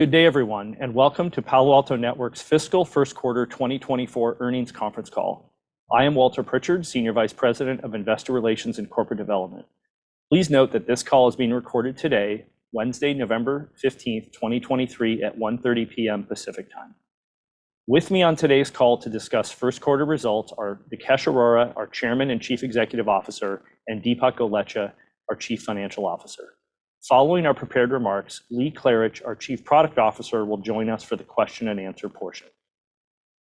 Good day, everyone, and welcome to Palo Alto Networks' fiscal first quarter 2024 earnings conference call. I am Walter Pritchard, Senior Vice President of Investor Relations and Corporate Development. Please note that this call is being recorded today, Wednesday, November 15, 2023 at 1:30 P.M. Pacific Time. With me on today's call to discuss first quarter results are Nikesh Arora, our Chairman and Chief Executive Officer, and Dipak Golechha, our Chief Financial Officer. Following our prepared remarks, Lee Klarich, our Chief Product Officer, will join us for the question and answer portion.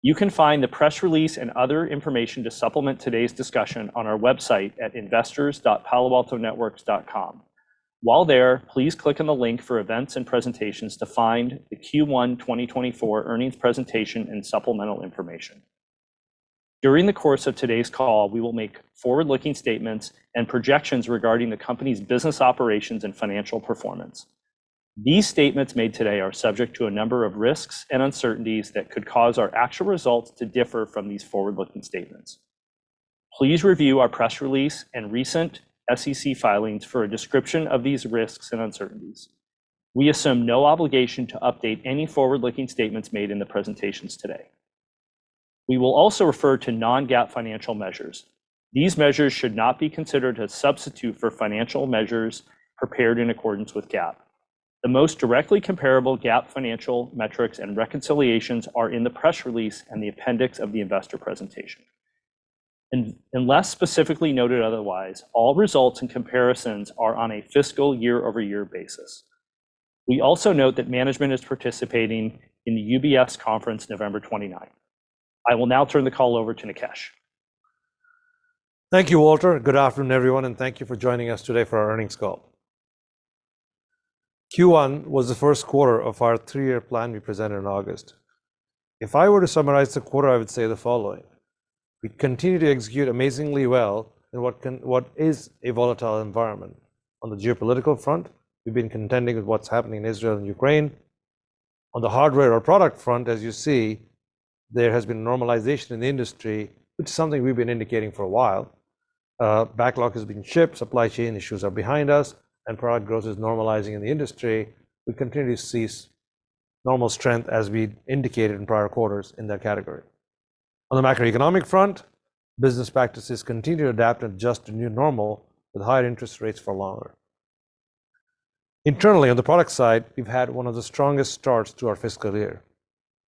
You can find the press release and other information to supplement today's discussion on our website at investors.paloaltonetworks.com. While there, please click on the link for events and presentations to find the Q1 2024 earnings presentation and supplemental information. During the course of today's call, we will make forward-looking statements and projections regarding the company's business operations and financial performance. These statements made today are subject to a number of risks and uncertainties that could cause our actual results to differ from these forward-looking statements. Please review our press release and recent SEC filings for a description of these risks and uncertainties. We assume no obligation to update any forward-looking statements made in the presentations today. We will also refer to non-GAAP financial measures. These measures should not be considered a substitute for financial measures prepared in accordance with GAAP. The most directly comparable GAAP financial metrics and reconciliations are in the press release and the appendix of the investor presentation. Unless specifically noted otherwise, all results and comparisons are on a fiscal year-over-year basis. We also note that management is participating in the UBS conference November 29th. I will now turn the call over to Nikesh. Thank you, Walter. Good afternoon, everyone, and thank you for joining us today for our earnings call. Q1 was the first quarter of our three-year plan we presented in August. If I were to summarize the quarter, I would say the following: We continue to execute amazingly well in what is a volatile environment. On the geopolitical front, we've been contending with what's happening in Israel and Ukraine. On the hardware or product front, as you see, there has been normalization in the industry, which is something we've been indicating for a while. Backlog has been shipped, supply chain issues are behind us, and product growth is normalizing in the industry. We continue to see normal strength, as we indicated in prior quarters in that category. On the macroeconomic front, business practices continue to adapt and adjust to new normal, with higher interest rates for longer. Internally, on the product side, we've had one of the strongest starts to our fiscal year.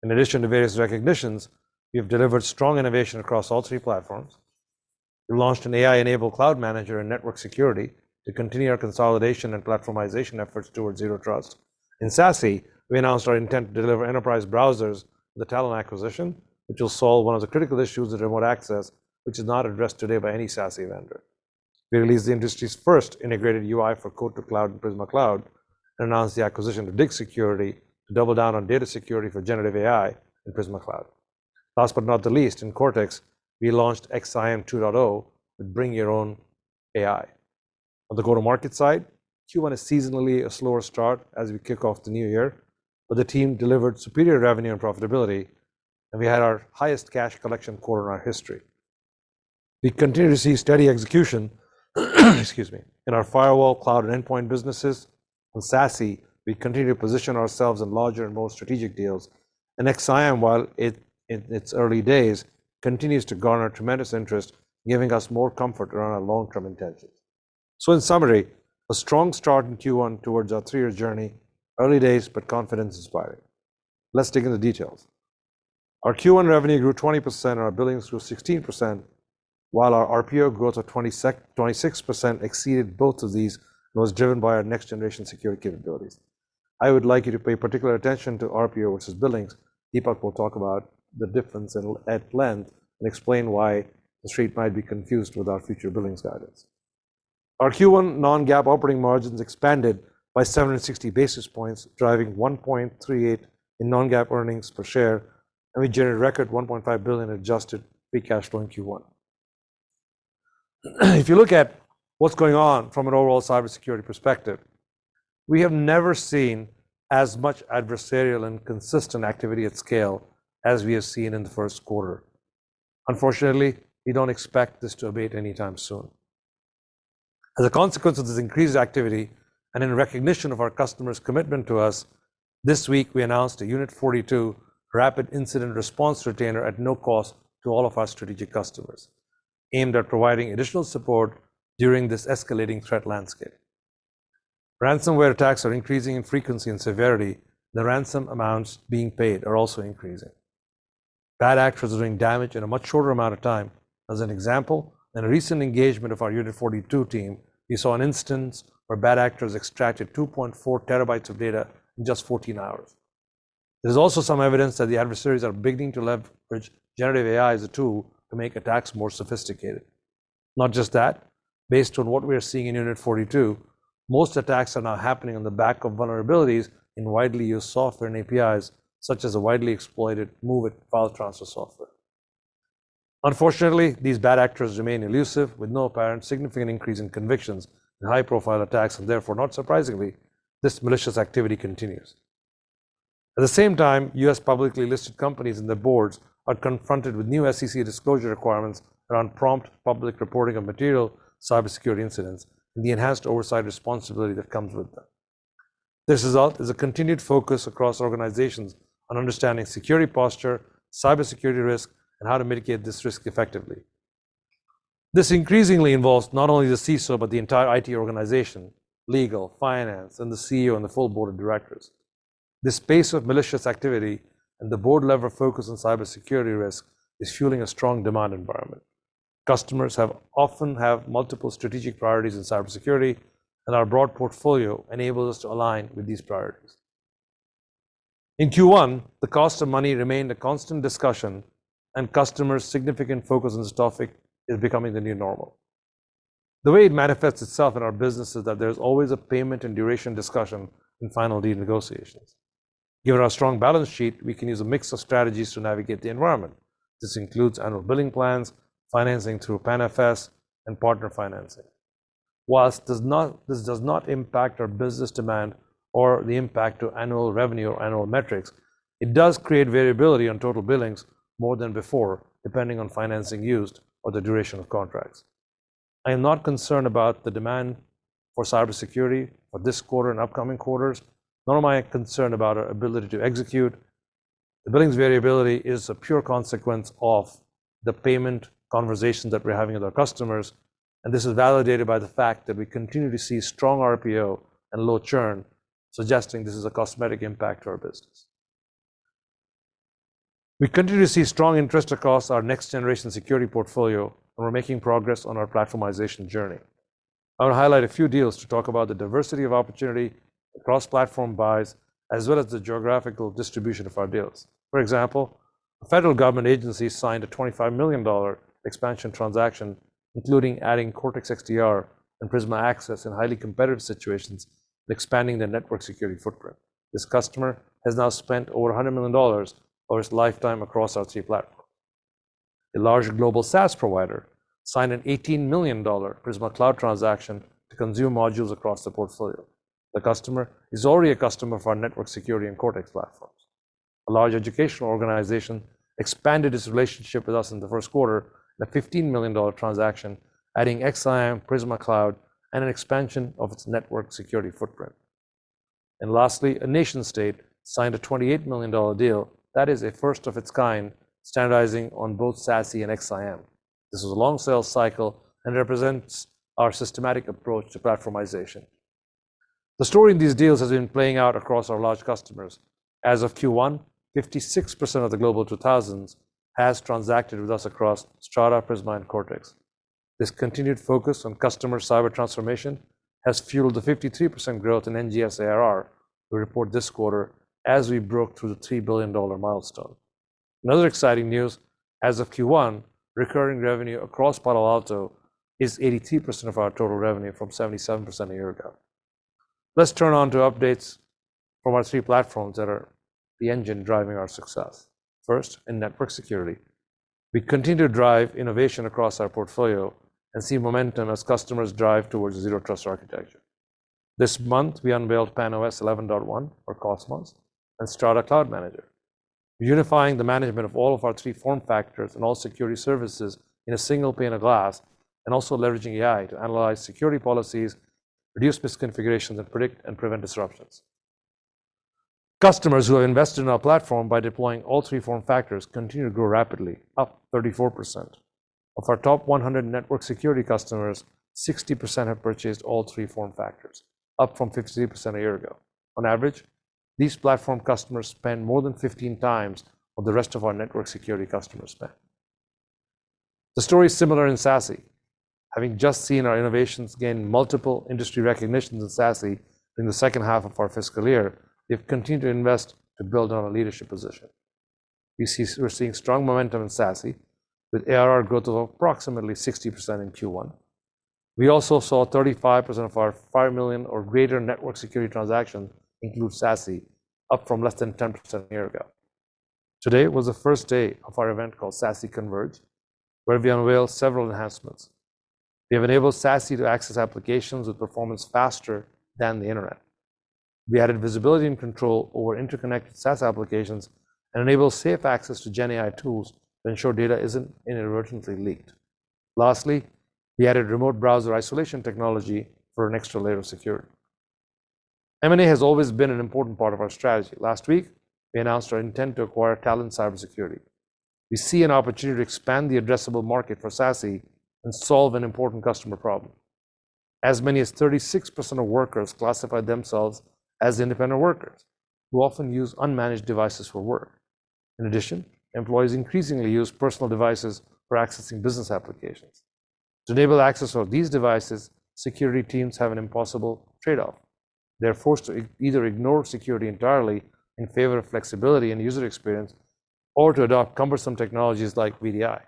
In addition to various recognitions, we have delivered strong innovation across all three platforms. We launched an AI-enabled cloud manager and network security to continue our consolidation and platformization efforts towards Zero Trust. In SASE, we announced our intent to deliver enterprise browsers, the Talon acquisition, which will solve one of the critical issues with remote access, which is not addressed today by any SASE vendor. We released the industry's first integrated UI for code-to-cloud in Prisma Cloud and announced the acquisition of Dig Security to double down on data security for generative AI in Prisma Cloud. Last but not the least, in Cortex, we launched XSIAM 2.0 with Bring Your Own AI On the go-to-market side, Q1 is seasonally a slower start as we kick off the new year, but the team delivered superior revenue and profitability, and we had our highest cash collection quarter in our history. We continue to see steady execution, excuse me, in our firewall, cloud, and endpoint businesses. In SASE, we continue to position ourselves in larger and more strategic deals, and XSIAM, while it, in its early days, continues to garner tremendous interest, giving us more comfort around our long-term intentions. So in summary, a strong start in Q1 towards our three-year journey. Early days, but confidence is fired. Let's dig into the details. Our Q1 revenue grew 20%, and our billings grew 16%, while our RPO growth of 26% exceeded both of these and was driven by our next-generation security capabilities. I would like you to pay particular attention to RPO versus billings. Dipak will talk about the difference in, at length and explain why the street might be confused with our future billings guidance. Our Q1 non-GAAP operating margins expanded by 760 basis points, driving $1.38 in non-GAAP earnings per share, and we generated record $1.5 billion adjusted free cash flow in Q1. If you look at what's going on from an overall cybersecurity perspective, we have never seen as much adversarial and consistent activity at scale as we have seen in the first quarter. Unfortunately, we don't expect this to abate anytime soon. As a consequence of this increased activity, and in recognition of our customers' commitment to us, this week, we announced a Unit 42 Rapid Incident Response Retainer at no cost to all of our strategic customers, aimed at providing additional support during this escalating threat landscape. Ransomware attacks are increasing in frequency and severity. The ransom amounts being paid are also increasing. Bad actors are doing damage in a much shorter amount of time. As an example, in a recent engagement of our Unit 42 team, we saw an instance where bad actors extracted 2.4 TB of data in just 14 hours. There's also some evidence that the adversaries are beginning to leverage generative AI as a tool to make attacks more sophisticated. Not just that, based on what we are seeing in Unit 42, most attacks are now happening on the back of vulnerabilities in widely used software and APIs, such as a widely exploited MOVEit file transfer software. Unfortunately, these bad actors remain elusive, with no apparent significant increase in convictions in high-profile attacks, and therefore, not surprisingly, this malicious activity continues. At the same time, U.S. publicly listed companies and their boards are confronted with new SEC disclosure requirements around prompt public reporting of material cybersecurity incidents and the enhanced oversight responsibility that comes with them. This result is a continued focus across organizations on understanding security posture, cybersecurity risk, and how to mitigate this risk effectively. This increasingly involves not only the CISO, but the entire IT organization, legal, finance, and the CEO, and the full board of directors. This space of malicious activity and the board-level focus on cybersecurity risk is fueling a strong demand environment. Customers often have multiple strategic priorities in cybersecurity, and our broad portfolio enables us to align with these priorities. In Q1, the cost of money remained a constant discussion, and customers' significant focus on this topic is becoming the new normal. The way it manifests itself in our business is that there's always a payment and duration discussion in final deal negotiations. Given our strong balance sheet, we can use a mix of strategies to navigate the environment. This includes annual billing plans, financing through PANFS, and partner financing. Whilst this does not impact our business demand or the impact to annual revenue or annual metrics, it does create variability on total billings more than before, depending on financing used or the duration of contracts. I am not concerned about the demand for cybersecurity for this quarter and upcoming quarters, nor am I concerned about our ability to execute. The billings variability is a pure consequence of the payment conversations that we're having with our customers, and this is validated by the fact that we continue to see strong RPO and low churn, suggesting this is a cosmetic impact to our business. We continue to see strong interest across our next-generation security portfolio, and we're making progress on our platformization journey. I want to highlight a few deals to talk about the diversity of opportunity, cross-platform buys, as well as the geographical distribution of our deals. For example, a federal government agency signed a $25 million expansion transaction, including adding Cortex XDR and Prisma Access in highly competitive situations and expanding their network security footprint. This customer has now spent over $100 million over its lifetime across our three platform. A large global SaaS provider signed an $18 million Prisma Cloud transaction to consume modules across the portfolio. The customer is already a customer of our network security and Cortex platforms. A large educational organization expanded its relationship with us in the first quarter, a $15 million transaction, adding XSIAM, Prisma Cloud, and an expansion of its network security footprint. Lastly, a nation state signed a $28 million deal that is a first of its kind, standardizing on both SASE and XSIAM. This is a long sales cycle and represents our systematic approach to platformization. The story in these deals has been playing out across our large customers. As of Q1, 56% of the Global 2000 has transacted with us across Strata, Prisma, and Cortex. This continued focus on customer cyber transformation has fueled the 53% growth in NGS ARR we report this quarter as we broke through the $3 billion milestone. Another exciting news, as of Q1, recurring revenue across Palo Alto is 82% of our total revenue from 77% a year ago. Let's turn to updates from our three platforms that are the engine driving our success. First, in network security. We continue to drive innovation across our portfolio and see momentum as customers drive towards Zero Trust architecture. This month, we unveiled PAN-OS 11.1 or Cosmos and Strata Cloud Manager, unifying the management of all of our three form factors and all security services in a single pane of glass, and also leveraging AI to analyze security policies, reduce misconfigurations, and predict and prevent disruptions. Customers who have invested in our platform by deploying all three form factors continue to grow rapidly, up 34%. Of our top 100 network security customers, 60% have purchased all three form factors, up from [53]% a year ago. On average, these platform customers spend more than 15 times of the rest of our network security customers spend. The story is similar in SASE. Having just seen our innovations gain multiple industry recognitions in SASE in the second half of our fiscal year, we've continued to invest to build on our leadership position. We're seeing strong momentum in SASE, with ARR growth of approximately 60% in Q1. We also saw 35% of our 5 million or greater network security transactions include SASE, up from less than 10% a year ago. Today was the first day of our event called SASE Converge, where we unveiled several enhancements. We have enabled SASE to access applications with performance faster than the internet. We added visibility and control over interconnected SaaS applications and enabled safe access to Gen AI tools to ensure data isn't inadvertently leaked. Lastly, we added remote browser isolation technology for an extra layer of security. M&A has always been an important part of our strategy. Last week, we announced our intent to acquire Talon Cyber Security. We see an opportunity to expand the addressable market for SASE and solve an important customer problem. As many as 36% of workers classify themselves as independent workers, who often use unmanaged devices for work. In addition, employees increasingly use personal devices for accessing business applications. To enable access of these devices, security teams have an impossible trade-off. They're forced to either ignore security entirely in favor of flexibility and user experience, or to adopt cumbersome technologies like VDI.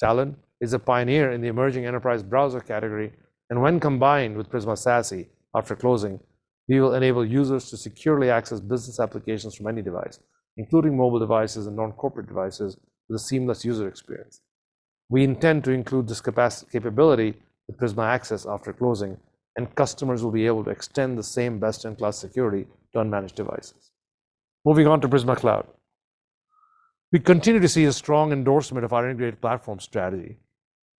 Talon is a pioneer in the emerging enterprise browser category, and when combined with Prisma SASE, after closing, we will enable users to securely access business applications from any device, including mobile devices and non-corporate devices, with a seamless user experience. We intend to include this capability with Prisma Access after closing, and customers will be able to extend the same best-in-class security to unmanaged devices. Moving on to Prisma Cloud. We continue to see a strong endorsement of our integrated platform strategy.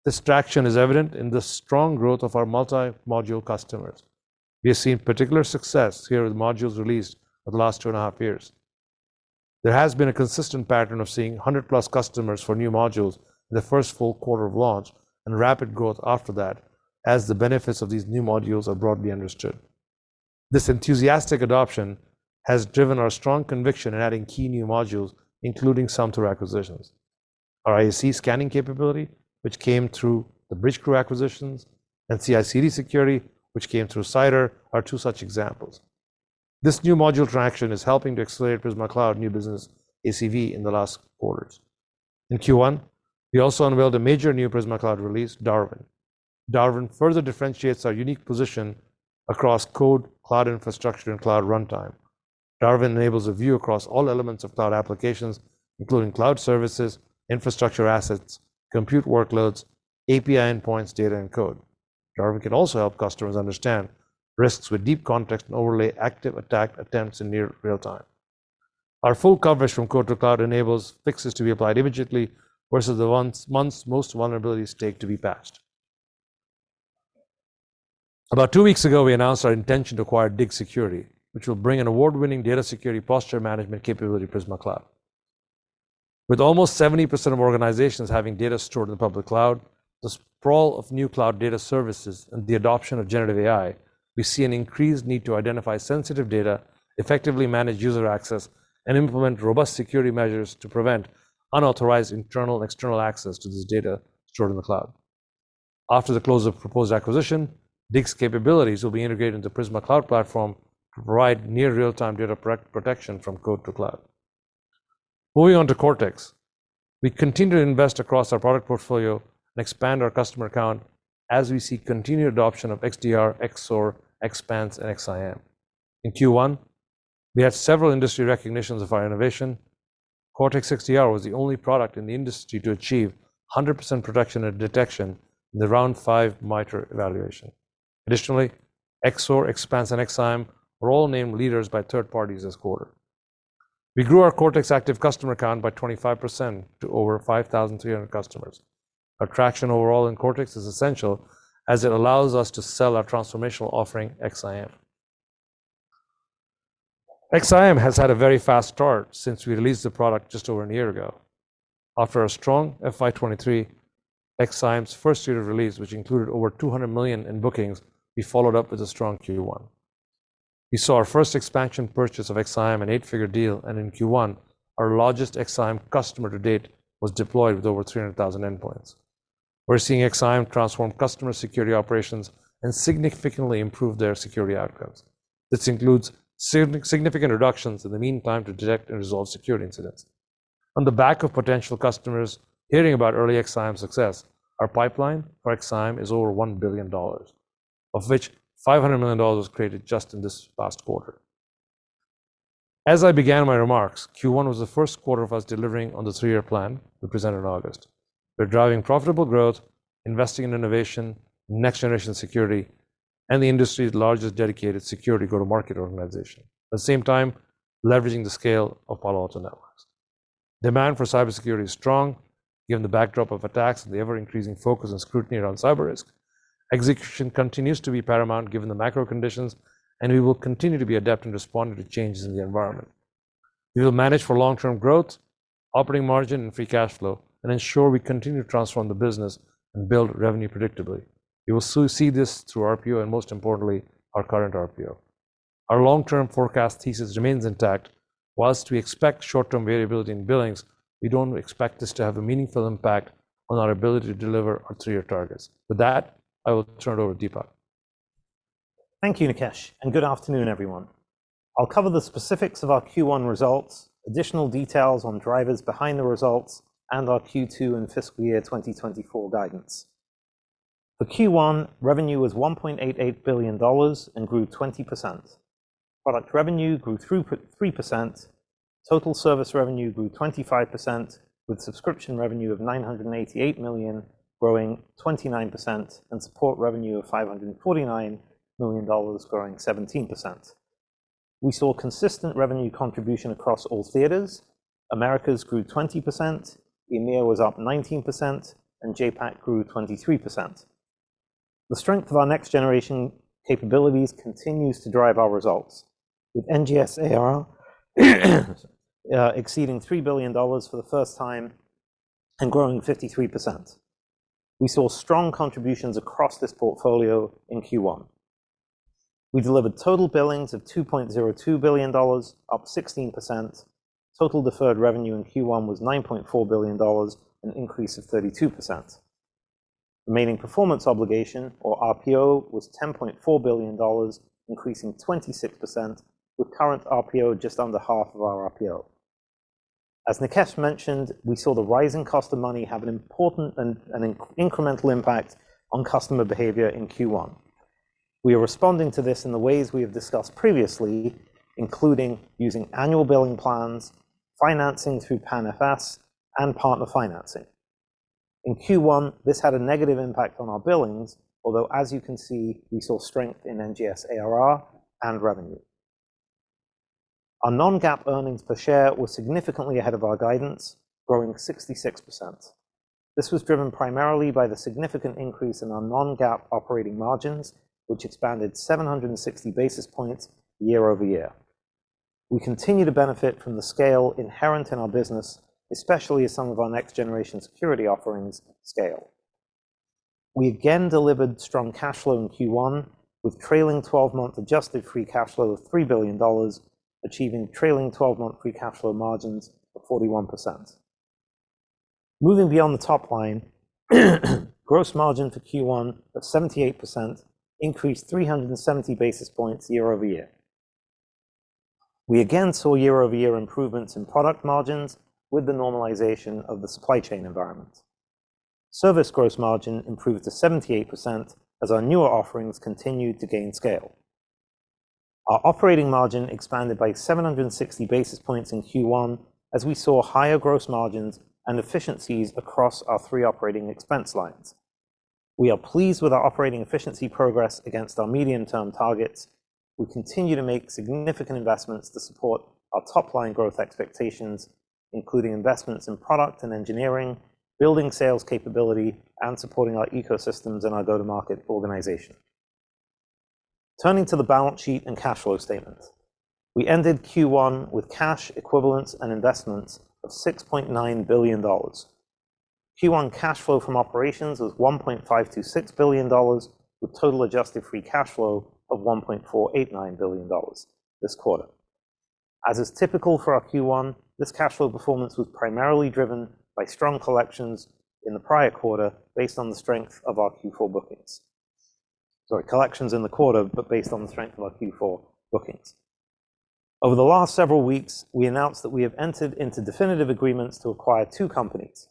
This traction is evident in the strong growth of our multi-module customers. We have seen particular success here with modules released over the last 2.5 years. There has been a consistent pattern of seeing 100+ customers for new modules in the first full quarter of launch and rapid growth after that, as the benefits of these new modules are broadly understood. This enthusiastic adoption has driven our strong conviction in adding key new modules, including some through acquisitions. Our IaC scanning capability, which came through the Bridgecrew acquisitions, and CI/CD security, which came through Cider, are two such examples. This new module traction is helping to accelerate Prisma Cloud new business ACV in the last quarter. In Q1, we also unveiled a major new Prisma Cloud release, Darwin. Darwin further differentiates our unique position across code, cloud infrastructure, and cloud runtime. Darwin enables a view across all elements of cloud applications, including cloud services, infrastructure assets, compute workloads, API endpoints, data, and code. Darwin can also help customers understand risks with deep context and overlay active attack attempts in near real time. Our full coverage from code to cloud enables fixes to be applied immediately, versus the months most vulnerabilities take to be patched. About two weeks ago, we announced our intention to acquire Dig Security, which will bring an award-winning data security posture management capability to Prisma Cloud. With almost 70% of organizations having data stored in the public cloud, the sprawl of new cloud data services and the adoption of generative AI, we see an increased need to identify sensitive data, effectively manage user access, and implement robust security measures to prevent unauthorized internal and external access to this data stored in the cloud. After the close of proposed acquisition, Dig's capabilities will be integrated into Prisma Cloud platform to provide near real-time data protection from code to cloud. Moving on to Cortex. We continue to invest across our product portfolio and expand our customer count as we see continued adoption of XDR, XSOAR, Xpanse, and XSIAM. In Q1, we had several industry recognitions of our innovation. Cortex XDR was the only product in the industry to achieve 100% protection and detection in the Round 5 MITRE evaluation. Additionally, XSOAR, Xpanse, and XSIAM were all named leaders by third parties this quarter. We grew our Cortex active customer count by 25% to over 5,300 customers. Our traction overall in Cortex is essential as it allows us to sell our transformational offering, XSIAM. XSIAM has had a very fast start since we released the product just over a year ago. After a strong FY 2023, XSIAM's first year of release, which included over $200 million in bookings, we followed up with a strong Q1. We saw our first expansion purchase of XSIAM, an eight-figure deal, and in Q1, our largest XSIAM customer to date was deployed with over 300,000 endpoints. We're seeing XSIAM transform customer security operations and significantly improve their security outcomes. This includes significant reductions in the meantime to detect and resolve security incidents. On the back of potential customers hearing about early XSIAM success, our pipeline for XSIAM is over $1 billion, of which $500 million was created just in this past quarter. As I began my remarks, Q1 was the first quarter of us delivering on the three-year plan we presented in August. We're driving profitable growth, investing in innovation, next-generation security, and the industry's largest dedicated security go-to-market organization. At the same time, leveraging the scale of Palo Alto Networks. Demand for cybersecurity is strong, given the backdrop of attacks and the ever-increasing focus and scrutiny around cyber risk. Execution continues to be paramount, given the macro conditions, and we will continue to be adept in responding to changes in the environment. We will manage for long-term growth, operating margin, and free cash flow, and ensure we continue to transform the business and build revenue predictably. You will also see this through RPO and, most importantly, our current RPO. Our long-term forecast thesis remains intact. Whilst we expect short-term variability in billings, we don't expect this to have a meaningful impact on our ability to deliver our three-year targets. With that, I will turn it over to Dipak. Thank you, Nikesh, and good afternoon, everyone. I'll cover the specifics of our Q1 results, additional details on drivers behind the results, and our Q2 and fiscal year 2024 guidance. For Q1, revenue was $1.88 billion and grew 20%. Product revenue grew 3%. Total service revenue grew 25%, with subscription revenue of $988 million, growing 29%, and support revenue of $549 million, growing 17%. We saw consistent revenue contribution across all theaters. Americas grew 20%, EMEA was up 19%, and JAPAC grew 23%. The strength of our next-generation capabilities continues to drive our results, with NGS ARR exceeding $3 billion for the first time and growing 53%. We saw strong contributions across this portfolio in Q1. We delivered total billings of $2.02 billion, up 16%. Total deferred revenue in Q1 was $9.4 billion, an increase of 32%. Remaining performance obligation, or RPO, was $10.4 billion, increasing 26%, with current RPO just under half of our RPO. As Nikesh mentioned, we saw the rising cost of money have an important and incremental impact on customer behavior in Q1. We are responding to this in the ways we have discussed previously, including using annual billing plans, financing through PANFS, and partner financing. In Q1, this had a negative impact on our billings, although as you can see, we saw strength in NGS ARR and revenue. Our non-GAAP earnings per share were significantly ahead of our guidance, growing 66%. This was driven primarily by the significant increase in our non-GAAP operating margins, which expanded 760 basis points year-over-year. We continue to benefit from the scale inherent in our business, especially as some of our next-generation security offerings scale. We again delivered strong cash flow in Q1, with trailing 12-month adjusted free cash flow of $3 billion, achieving trailing 12-month free cash flow margins of 41%. Moving beyond the top line, gross margin for Q1 of 78% increased 370 basis points year-over-year. We again saw year-over-year improvements in product margins with the normalization of the supply chain environment. Service gross margin improved to 78% as our newer offerings continued to gain scale. Our operating margin expanded by 760 basis points in Q1, as we saw higher gross margins and efficiencies across our three operating expense lines. We are pleased with our operating efficiency progress against our medium-term targets. We continue to make significant investments to support our top-line growth expectations, including investments in product and engineering, building sales capability, and supporting our ecosystems and our go-to-market organization. Turning to the balance sheet and cash flow statement, we ended Q1 with cash equivalents and investments of $6.9 billion. Q1 cash flow from operations was $1.526 billion, with total adjusted free cash flow of $1.489 billion this quarter. As is typical for our Q1, this cash flow performance was primarily driven by strong collections in the prior quarter, based on the strength of our Q4 bookings. Sorry, collections in the quarter, but based on the strength of our Q4 bookings. Over the last several weeks, we announced that we have entered into definitive agreements to acquire two companies.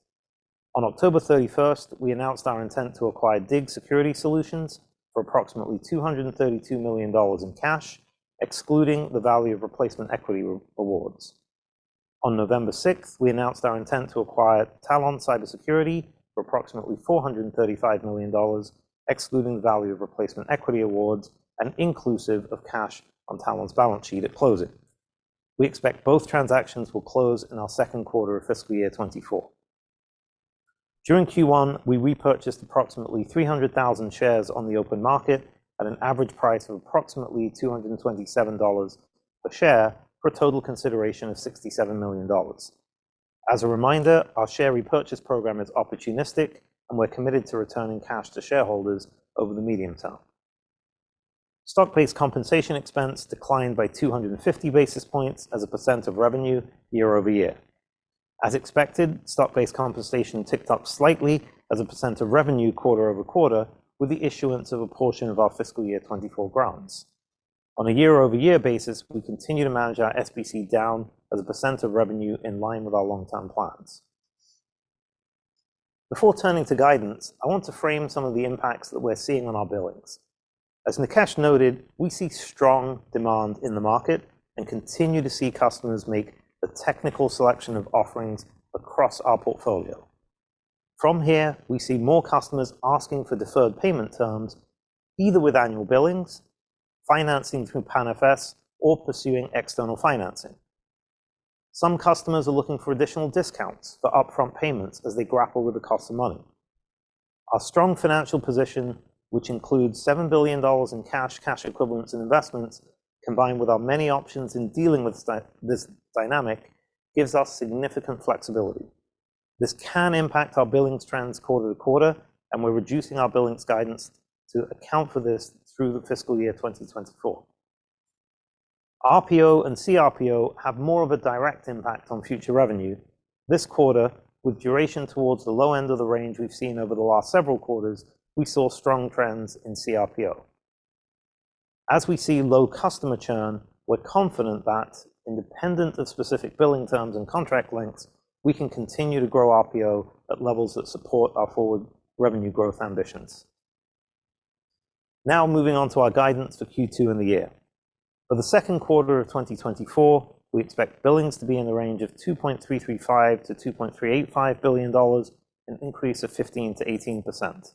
On October 31, we announced our intent to acquire Dig Security Solutions for approximately $232 million in cash, excluding the value of replacement equity awards. On November 6, we announced our intent to acquire Talon Cyber Security for approximately $435 million, excluding the value of replacement equity awards and inclusive of cash on Talon's balance sheet at closing. We expect both transactions will close in our second quarter of fiscal year 2024. During Q1, we repurchased approximately 300,000 shares on the open market at an average price of approximately $227 per share, for a total consideration of $67 million. As a reminder, our share repurchase program is opportunistic, and we're committed to returning cash to shareholders over the medium term. Stock-based compensation expense declined by 250 basis points as a percent of revenue year-over-year. As expected, stock-based compensation ticked up slightly as a percent of revenue quarter-over-quarter, with the issuance of a portion of our fiscal year 2024 grants. On a year-over-year basis, we continue to manage our SBC down as a percent of revenue in line with our long-term plans. Before turning to guidance, I want to frame some of the impacts that we're seeing on our billings. As Nikesh noted, we see strong demand in the market and continue to see customers make the technical selection of offerings across our portfolio. From here, we see more customers asking for deferred payment terms, either with annual billings, financing through PANFS, or pursuing external financing. Some customers are looking for additional discounts for upfront payments as they grapple with the cost of money. Our strong financial position, which includes $7 billion in cash, cash equivalents, and investments, combined with our many options in dealing with this dynamic, gives us significant flexibility. This can impact our billings trends quarter-to-quarter, and we're reducing our billings guidance to account for this through the fiscal year 2024. RPO and CRPO have more of a direct impact on future revenue. This quarter, with duration towards the low end of the range we've seen over the last several quarters, we saw strong trends in CRPO. As we see low customer churn, we're confident that independent of specific billing terms and contract lengths, we can continue to grow RPO at levels that support our forward revenue growth ambitions. Now, moving on to our guidance for Q2 and the year. For the second quarter of 2024, we expect billings to be in the range of $2.335 billion-$2.385 billion, an increase of 15%-18%.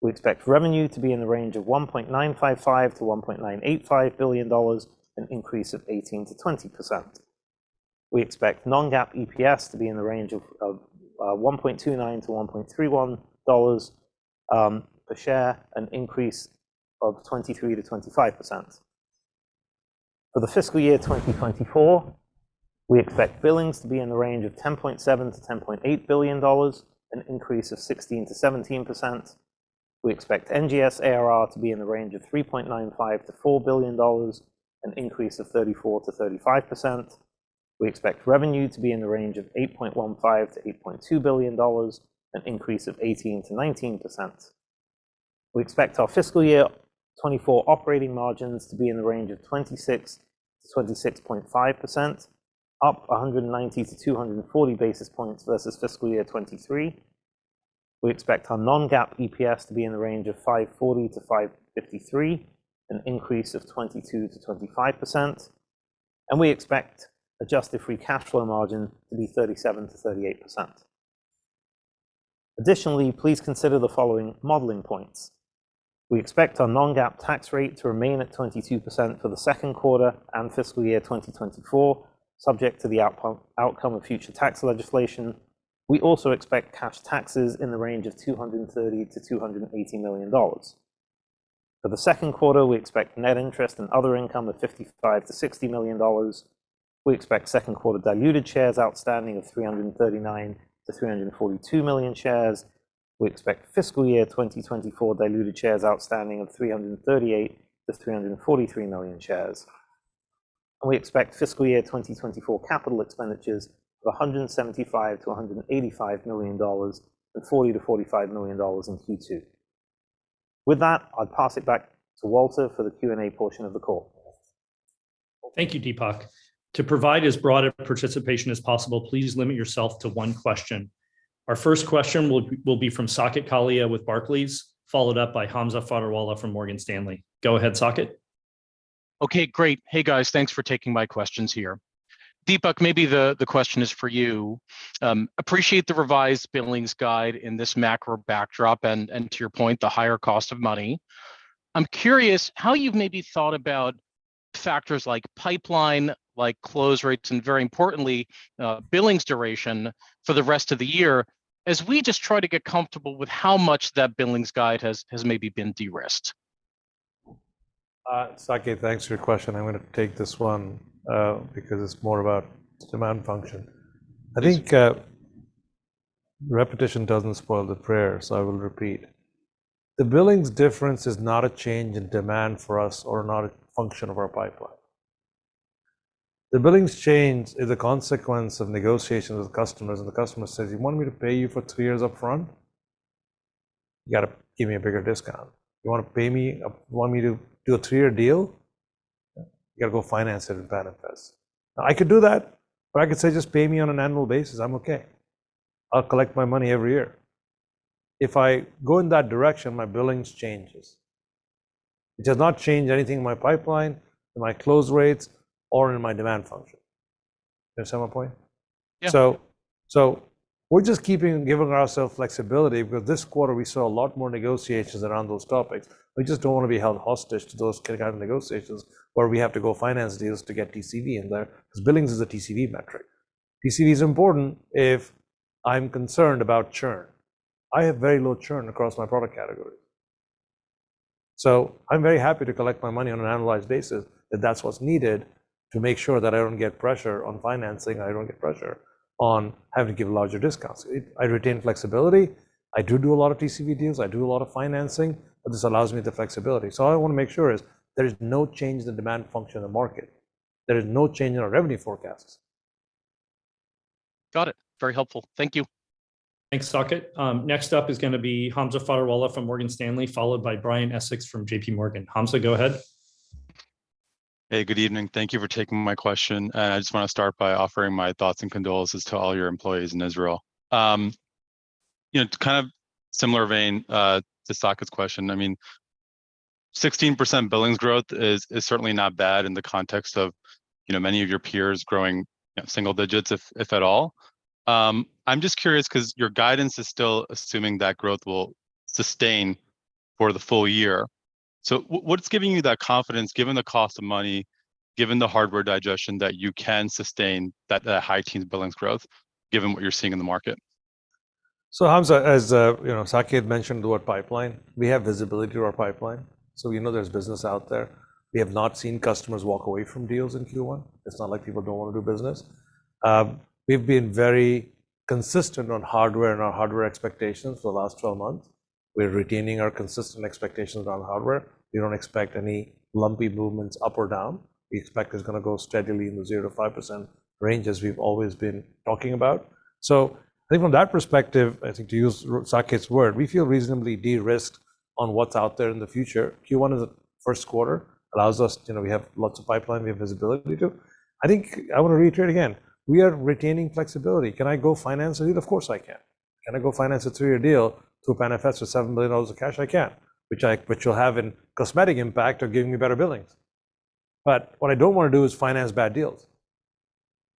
We expect revenue to be in the range of $1.955 billion-$1.985 billion, an increase of 18%-20%. We expect non-GAAP EPS to be in the range of $1.29-$1.31 per share, an increase of 23%-25%. For the fiscal year 2024, we expect billings to be in the range of $10.7 billion-$10.8 billion, an increase of 16%-17%. We expect NGS ARR to be in the range of $3.95 billion-$4 billion, an increase of 34%-35%. We expect revenue to be in the range of $8.15 billion-$8.2 billion, an increase of 18%-19%. We expect our fiscal year 2024 operating margins to be in the range of 26%-26.5%, up 190 to 240 basis points versus fiscal year 2023. We expect our non-GAAP EPS to be in the range of $5.40-$5.53, an increase of 22%-25%. We expect adjusted free cash flow margin to be 37%-38%. Additionally, please consider the following modeling points. We expect our non-GAAP tax rate to remain at 22% for the second quarter and fiscal year 2024, subject to the outcome of future tax legislation. We also expect cash taxes in the range of $230 million-$280 million. For the second quarter, we expect net interest and other income of $55 million-$60 million. We expect second quarter diluted shares outstanding of 339 million-342 million shares. We expect fiscal year 2024 diluted shares outstanding of 338 million-343 million shares. We expect fiscal year 2024 capital expenditures of $175 million-$185 million, and $40 million-$45 million in Q2. With that, I'll pass it back to Walter for the Q&A portion of the call. Thank you, Dipak. To provide as broad of participation as possible, please limit yourself to one question. Our first question will be from Saket Kalia with Barclays, followed up by Hamza Fodderwala from Morgan Stanley. Go ahead, Saket. Okay, great. Hey, guys, thanks for taking my questions here. Dipak, maybe the question is for you. Appreciate the revised billings guide in this macro backdrop, and to your point, the higher cost of money. I'm curious how you've maybe thought about factors like pipeline, like close rates, and very importantly, billings duration for the rest of the year, as we just try to get comfortable with how much that billings guide has maybe been de-risked? Saket, thanks for your question. I'm gonna take this one, because it's more about demand function. I think, repetition doesn't spoil the prayer, so I will repeat. The billings difference is not a change in demand for us or not a function of our pipeline. The billings change is a consequence of negotiations with customers, and the customer says, "You want me to pay you for three years upfront? You gotta give me a bigger discount. You want me to do a three-year deal? You gotta go finance it in PANFS. Now, I could do that, but I could say, 'Just pay me on an annual basis, I'm okay. I'll collect my money every year.' If I go in that direction, my billings changes. It does not change anything in my pipeline, in my close rates, or in my demand function. Does that sum up my point? Yeah. So, so we're just keeping, giving ourself flexibility, because this quarter we saw a lot more negotiations around those topics. We just don't wanna be held hostage to those kick-out negotiations, where we have to go finance deals to get TCV in there, because billings is a TCV metric. TCV is important if I'm concerned about churn. I have very low churn across my product categories. So I'm very happy to collect my money on an annualized basis, if that's what's needed to make sure that I don't get pressure on financing, I don't get pressure on having to give larger discounts. It... I retain flexibility. I do do a lot of TCV deals, I do a lot of financing, but this allows me the flexibility. So all I wanna make sure is, there is no change in the demand function in the market. There is no change in our revenue forecasts. Got it. Very helpful. Thank you. Thanks, Saket. Next up is gonna be Hamza Fodderwala from Morgan Stanley, followed by Brian Essex from JPMorgan. Hamza, go ahead. Hey, good evening. Thank you for taking my question. And I just wanna start by offering my thoughts and condolences to all your employees in Israel. You know, kind of similar vein to Saket's question, I mean, 16% billings growth is certainly not bad in the context of, you know, many of your peers growing, you know, single digits, if at all. I'm just curious, because your guidance is still assuming that growth will sustain for the full year. So what's giving you that confidence, given the cost of money, given the hardware digestion, that you can sustain that high-teen billings growth, given what you're seeing in the market? So Hamza, as you know, Saket mentioned to our pipeline, we have visibility to our pipeline, so we know there's business out there. We have not seen customers walk away from deals in Q1. It's not like people don't wanna do business. We've been very consistent on hardware and our hardware expectations for the last 12 months. We're retaining our consistent expectations around hardware. We don't expect any lumpy movements up or down. We expect it's gonna go steadily in the 0%-5% range, as we've always been talking about. So I think from that perspective, I think to use Saket's word, we feel reasonably de-risked on what's out there in the future. Q1 is the first quarter, allows us, you know, we have lots of pipeline we have visibility to. I think, I wanna reiterate again, we are retaining flexibility. Can I go finance a deal? Of course, I can. Can I go finance a three-year deal through PANFS with $7 million of cash? I can, which will have a cosmetic impact of giving me better billings. But what I don't wanna do is finance bad deals.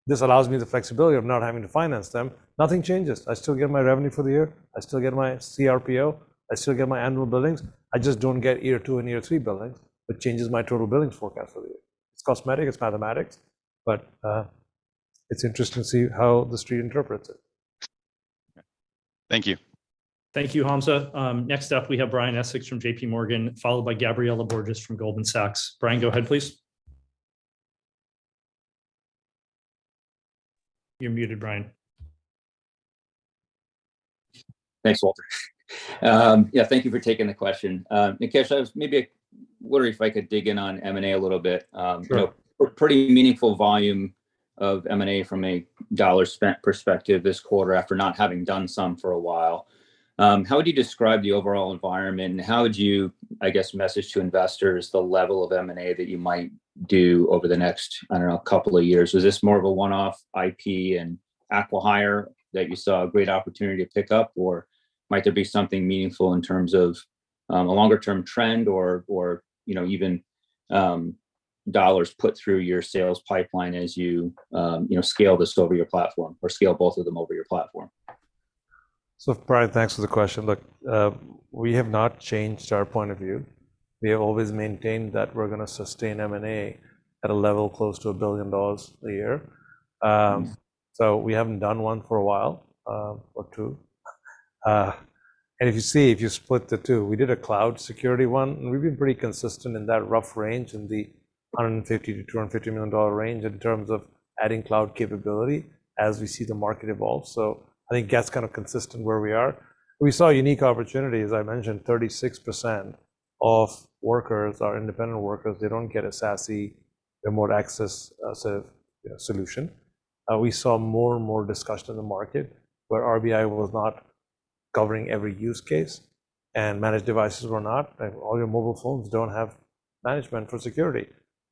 This allows me the flexibility of not having to finance them. Nothing changes. I still get my revenue for the year. I still get my CRPO. I still get my annual billings. I just don't get year two and year three billings, which changes my total billings forecast for the year. It's cosmetic, it's mathematics, but it's interesting to see how the street interprets it. Thank you. Thank you, Hamza. Next up, we have Brian Essex from JPMorgan, followed by Gabriela Borges from Goldman Sachs. Brian, go ahead, please. You're muted, Brian. Thanks, Walter. Yeah, thank you for taking the question. Nikesh, I was maybe wondering if I could dig in on M&A a little bit. Pretty meaningful volume of M&A from a dollar spent perspective this quarter, after not having done some for a while. How would you describe the overall environment, and how would you, I guess, message to investors the level of M&A that you might do over the next, I don't know, couple of years? Was this more of a one-off IP and acqui-hire that you saw a great opportunity to pick up, or might there be something meaningful in terms of a longer term trend or, or, you know, even, dollars put through your sales pipeline as you, you know, scale this over your platform or scale both of them over your platform? So Brian, thanks for the question. Look, we have not changed our point of view. We have always maintained that we're gonna sustain M&A at a level close to $1 billion a year. So we haven't done one for a while, or two. And if you see, if you split the two, we did a cloud security one, and we've been pretty consistent in that rough range, in the $150 million-$250 million range in terms of adding cloud capability as we see the market evolve. So I think that's kind of consistent where we are. We saw a unique opportunity. As I mentioned, 36% of workers are independent workers. They don't get a SASE, a more access, sort of, solution. We saw more and more discussion in the market where RBI was not covering every use case and managed devices were not. Like, all your mobile phones don't have management for security,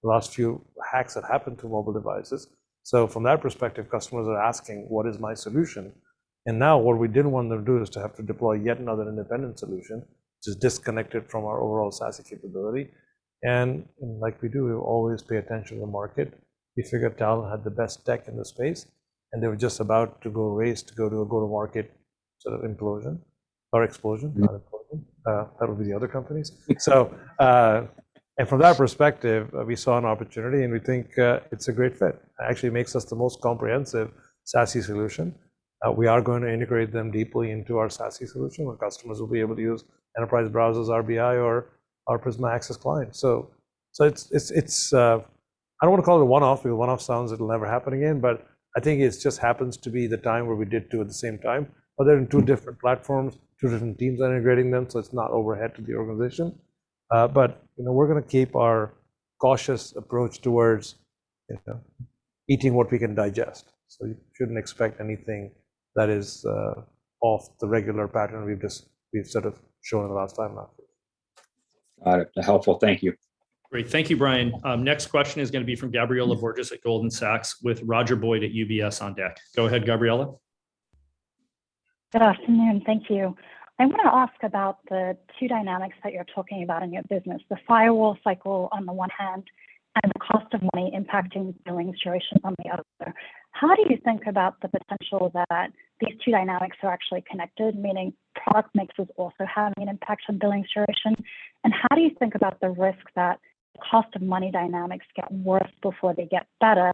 the last few hacks that happened to mobile devices. So from that perspective, customers are asking: What is my solution? And now what we didn't want them to do is to have to deploy yet another independent solution, which is disconnected from our overall SASE capability. And like we do, we always pay attention to the market. We figured Talon had the best tech in the space, and they were just about to go raise, to go to a go-to-market sort of implosion or explosion the other companies. So, and from that perspective, we saw an opportunity, and we think, it's a great fit. It actually makes us the most comprehensive SASE solution. We are going to integrate them deeply into our SASE solution, where customers will be able to use enterprise browsers, RBI, or our Prisma Access client. So, it's, I don't want to call it a one-off, because one-off sounds it'll never happen again, but I think it just happens to be the time where we did two at the same time. But they're in two different platforms, two different teams integrating them, so it's not overhead to the organization. But, you know, we're gonna keep our cautious approach towards, eating what we can digest. You shouldn't expect anything that is off the regular pattern we've sort of shown in the last timeline. Got it. Helpful. Thank you. Great. Thank you, Brian. Next question is gonna be from Gabriela Borges at Goldman Sachs, with Roger Boyd at UBS on deck. Go ahead, Gabriela. Good afternoon. Thank you. I want to ask about the two dynamics that you're talking about in your business, the firewall cycle on the one hand, and the cost of money impacting billing duration on the other. How do you think about the potential that these two dynamics are actually connected, meaning product mixes also having an impact on billing duration? And how do you think about the risk that cost of money dynamics get worse before they get better,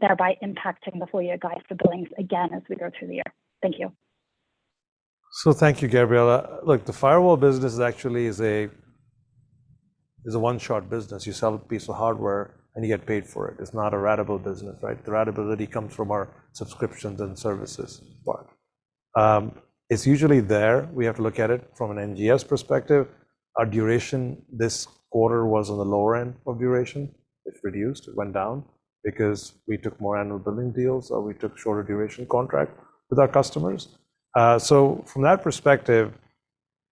thereby impacting the full year guide for billings again as we go through the year? Thank you. So thank you, Gabriela. Look, the firewall business is actually a one-shot business. You sell a piece of hardware, and you get paid for it. It's not a ratable business, right? The ratability comes from our subscriptions and services. But, it's usually there. We have to look at it from an NGS perspective. Our duration this quarter was on the lower end of duration. It reduced. It went down because we took more annual billing deals, or we took shorter duration contract with our customers. So from that perspective,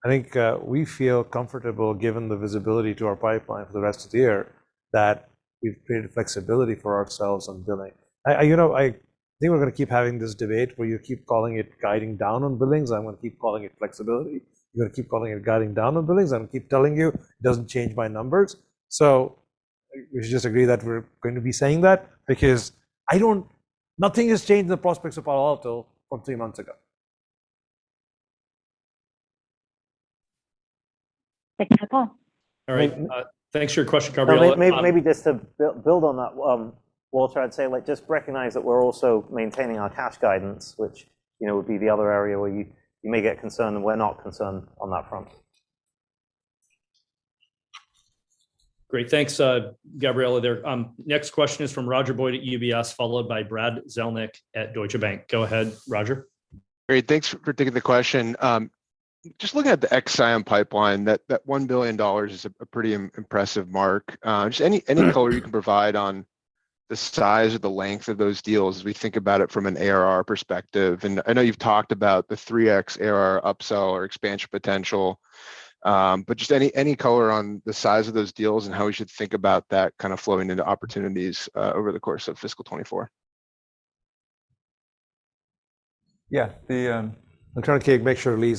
I think, we feel comfortable, given the visibility to our pipeline for the rest of the year, that we've created flexibility for ourselves on billing. You know, I think we're gonna keep having this debate where you keep calling it guiding down on billings. I'm gonna keep calling it flexibility. You're gonna keep calling it guiding down on billings. I'm gonna keep telling you, it doesn't change my numbers. So we should just agree that we're going to be saying that because I don't... nothing has changed the prospects of Palo Alto from three months ago. Thank you. All right, thanks for your question, Gabriela- Well, maybe just to build on that, Walter, I'd say, like, just recognize that we're also maintaining our cash guidance, which, you know, would be the other area where you may get concerned, and we're not concerned on that front. Great. Thanks, Gabriela, there. Next question is from Roger Boyd at UBS, followed by Brad Zelnick at Deutsche Bank. Go ahead, Roger. Great. Thanks for taking the question. Just looking at the XSIAM pipeline, that $1 billion is a pretty impressive mark. Just any, any color you can provide on the size or the length of those deals as we think about it from an ARR perspective. I know you've talked about the 3x ARR upsell or expansion potential, but just any color on the size of those deals and how we should think about that kind of flowing into opportunities over the course of fiscal 2024? Yeah, I'm trying to make sure Lee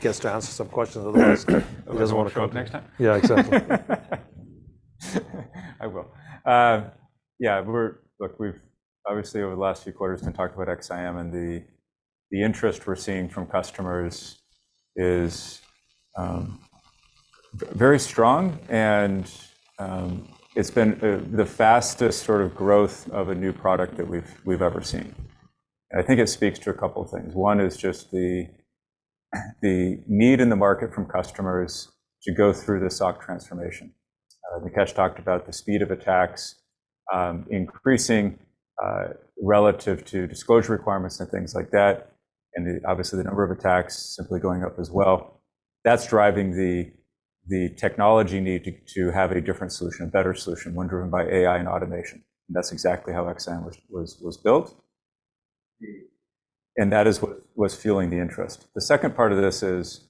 gets to answer some questions otherwise he doesn't want to show up- Next time? Yeah, exactly. I will. Yeah, we're—look, we've obviously, over the last few quarters, talked about XSIAM, and the interest we're seeing from customers is very strong, and it's been the fastest sort of growth of a new product that we've ever seen. I think it speaks to a couple of things. One is just the need in the market from customers to go through the SOC transformation. Nikesh talked about the speed of attacks increasing relative to disclosure requirements and things like that, and obviously, the number of attacks simply going up as well. That's driving the technology need to have a different solution, a better solution, one driven by AI and automation. That's exactly how XSIAM was built, and that is what was fueling the interest. The second part of this is,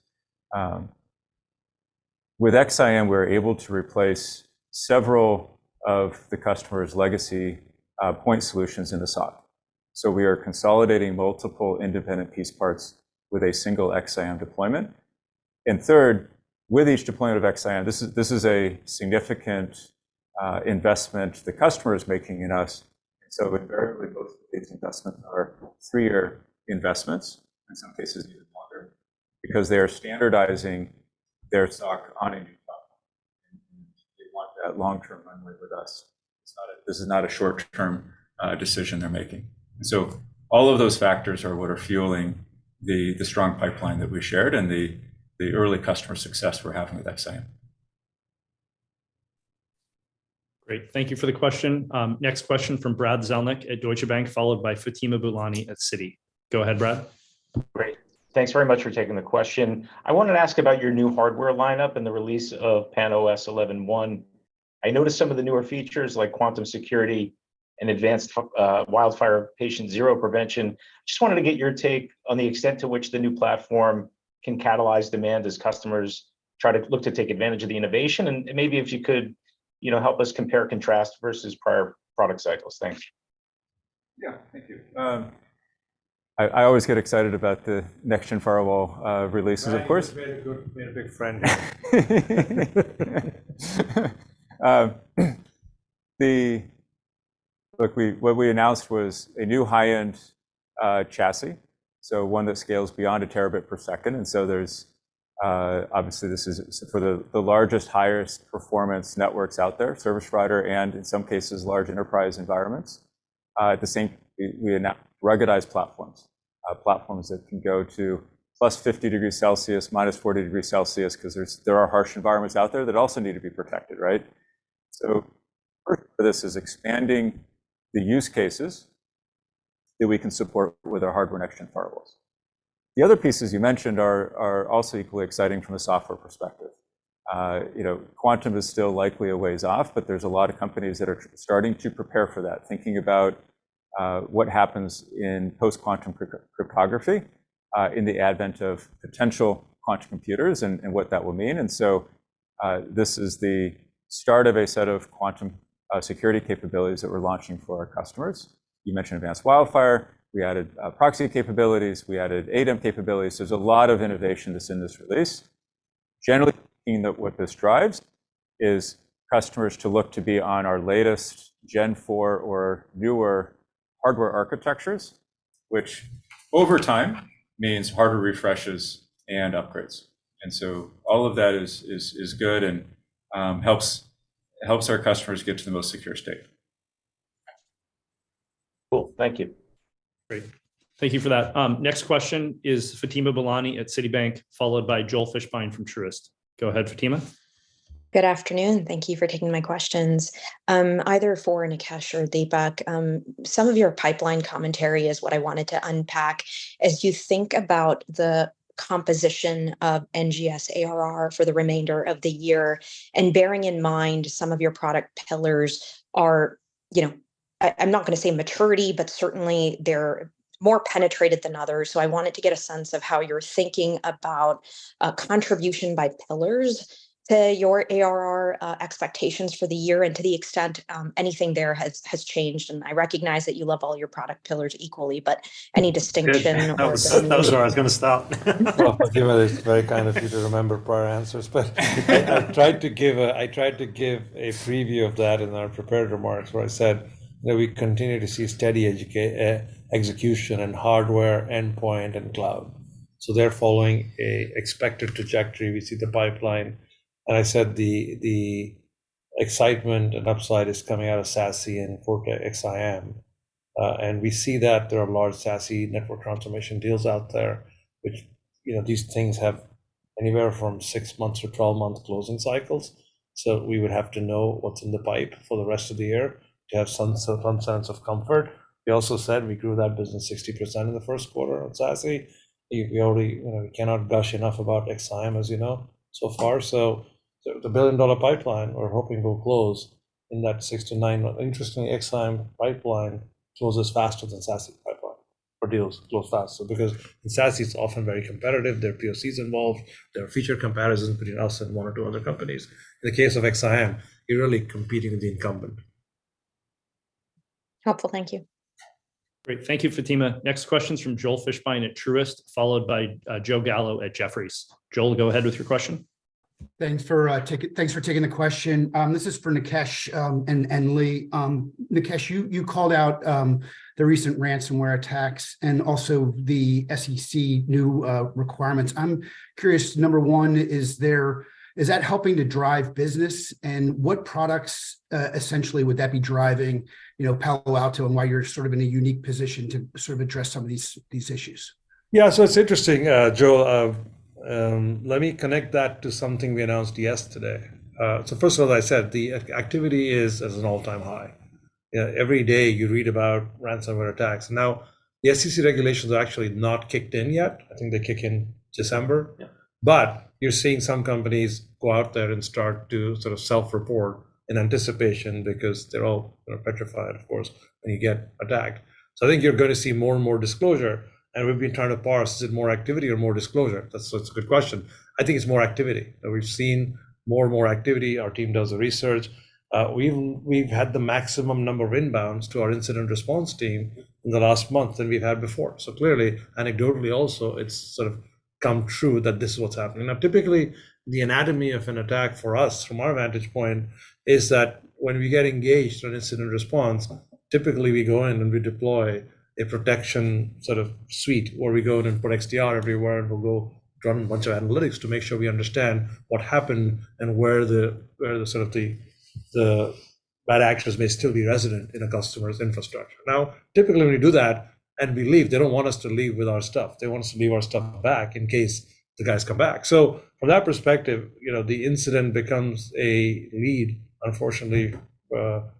with XSIAM, we're able to replace several of the customer's legacy, point solutions in the SOC. So we are consolidating multiple independent piece parts with a single XSIAM deployment. And third, with each deployment of XSIAM, this is, this is a significant, investment the customer is making in us. So invariably, both these investments are three-year investments, in some cases even longer, because they are standardizing their stock on a new platform, and they want that long-term runway with us. It's not a-- this is not a short-term, decision they're making. So all of those factors are what are fueling the, the strong pipeline that we shared and the, the early customer success we're having with XSIAM. Great. Thank you for the question. Next question from Brad Zelnick at Deutsche Bank, followed by Fatima Boolani at Citi. Go ahead, Brad. Great. Thanks very much for taking the question. I wanted to ask about your new hardware lineup and the release of PAN-OS 11.1. I noticed some of the newer features, like quantum security and advanced WildFire patient zero prevention. Just wanted to get your take on the extent to which the new platform can catalyze demand as customers try to look to take advantage of the innovation, and, and maybe if you could, you know, help us compare and contrast versus prior product cycles. Thanks. Yeah, thank you. I always get excited about the next-gen firewall releases, of course. Look, what we announced was a new high-end chassis, so one that scales beyond a terabit per second. And so there's obviously this is for the largest, highest performance networks out there, service provider, and in some cases, large enterprise environments. At the same, we announced ruggedized platforms, platforms that can go to +50 degrees Celsius, -40 degrees Celsius, 'cause there are harsh environments out there that also need to be protected, right? So this is expanding the use cases that we can support with our hardware next-gen firewalls. The other pieces you mentioned are also equally exciting from a software perspective. You know, quantum is still likely a ways off, but there's a lot of companies that are starting to prepare for that, thinking about what happens in post-quantum cryptography in the advent of potential quantum computers and what that will mean. And so, this is the start of a set of quantum security capabilities that we're launching for our customers. You mentioned Advanced WildFire. We added proxy capabilities. We added ADEM capabilities. There's a lot of innovation that's in this release. Generally, meaning that what this drives is customers to look to be on our latest Gen 4 or newer hardware architectures, which over time means hardware refreshes and upgrades. And so all of that is good and helps our customers get to the most secure state. Cool. Thank you. Great. Thank you for that. Next question is Fatima Boolani at Citibank, followed by Joel Fishbein from Truist. Go ahead, Fatima. Good afternoon. Thank you for taking my questions. Either for Nikesh or Dipak, some of your pipeline commentary is what I wanted to unpack. As you think about the composition of NGS ARR for the remainder of the year, and bearing in mind some of your product pillars are, you know, I, I'm not going to say maturity, but certainly they're more penetrated than others. So I wanted to get a sense of how you're thinking about a contribution by pillars to your ARR expectations for the year, and to the extent anything there has, has changed. And I recognize that you love all your product pillars equally, but any distinction or- where I was gonna stop. Well, Fatima, it's very kind of you to remember prior answers, but I tried to give a preview of that in our prepared remarks, where I said that we continue to see steady execution in hardware, endpoint, and cloud. So they're following an expected trajectory. We see the pipeline, and I said the excitement and upside is coming out of SASE and [Cortex] XSIAM. And we see that there are large SASE network transformation deals out there, which, you know, these things have anywhere from six months to 12 months closing cycles. So we would have to know what's in the pipe for the rest of the year to have some sense of comfort. We also said we grew that business 60% in the first quarter on SASE. We already, you know, cannot gush enough about XSIAM, as you know so far. The billion-dollar pipeline we're hoping will close in that six-nine months. Interestingly, XSIAM pipeline closes faster than SASE pipeline, or deals close faster because in SASE, it's often very competitive. There are POCs involved. There are feature comparisons between us and one or two other companies. In the case of XSIAM, you're really competing with the incumbent. Helpful. Thank you. Great. Thank you, Fatima. Next question is from Joel Fishbein at Truist, followed by Joe Gallo at Jefferies. Joel, go ahead with your question. Thanks for taking the question. This is for Nikesh and Lee. Nikesh, you called out the recent ransomware attacks and also the SEC new requirements. I'm curious, number one, is there... Is that helping to drive business, and what products essentially would that be driving, you know, Palo Alto and why you're sort of in a unique position to sort of address some of these issues? Yeah, so it's interesting, Joel. Let me connect that to something we announced yesterday. So first of all, I said the activity is at an all-time high. Every day you read about ransomware attacks. Now, the SEC regulations are actually not kicked in yet. I think they kick in December. But you're seeing some companies go out there and start to sort of self-report in anticipation because they're all petrified, of course, when you get attacked. So I think you're going to see more and more disclosure, and we've been trying to parse, is it more activity or more disclosure? That's, that's a good question. I think it's more activity. We've seen more and more activity. Our team does the research. We've had the maximum number of inbounds to our incident response team in the last month than we've had before. So clearly, anecdotally also, it's sort of come true that this is what's happening. Now, typically, the anatomy of an attack for us, from our vantage point, is that when we get engaged on incident response, typically we go in and we deploy a protection sort of suite, or we go in and put XDR everywhere, and we'll go run a bunch of analytics to make sure we understand what happened and where the bad actors may still be resident in a customer's infrastructure. Now, typically, when we do that and we leave, they don't want us to leave with our stuff. They want us to leave our stuff back in case the guys come back. So from that perspective, you know, the incident becomes a lead, unfortunately, because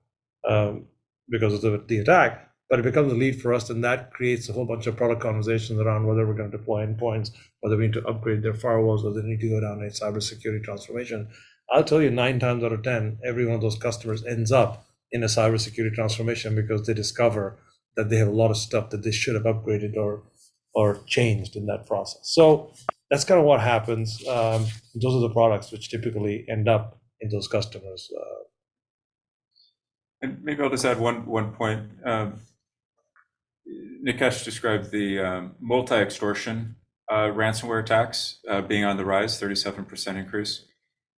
of the, the attack, but it becomes a lead for us, and that creates a whole bunch of product conversations around whether we're going to deploy endpoints, whether we need to upgrade their firewalls, or they need to go down a cybersecurity transformation. I'll tell you, nine times out of 10, every one of those customers ends up in a cybersecurity transformation because they discover that they have a lot of stuff that they should have upgraded or, or changed in that process. So that's kind of what happens, and those are the products which typically end up in those customers. Maybe I'll just add one point. Nikesh described the multi-extortion ransomware attacks being on the rise, 37% increase.